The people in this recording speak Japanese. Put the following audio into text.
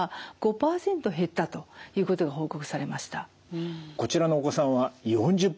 実際こちらのお子さんは４０分。